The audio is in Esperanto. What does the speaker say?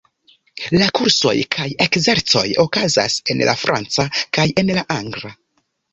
La kursoj kaj ekzercoj okazas en la franca kaj en la angla.